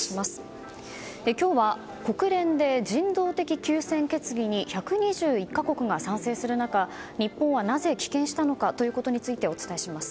今日は国連で人道的休戦決議に１２１か国が賛成する中日本はなぜ棄権したのかということについてお伝えします。